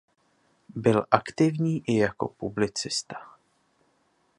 Byl aktivní i jako publicista.